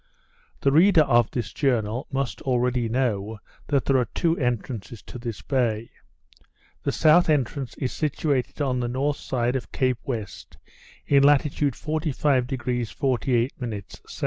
The reader of this journal must already know that there are two entrances to this bay. The south entrance is situated on the north side of Cape West, in latitude 45° 48' S.